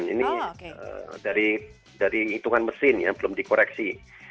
ini dari hitungan mesin ya belum dikoreksi